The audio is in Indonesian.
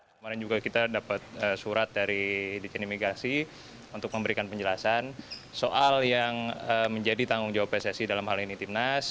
kemarin juga kita dapat surat dari dikjen imigrasi untuk memberikan penjelasan soal yang menjadi tanggung jawab pssi dalam hal ini timnas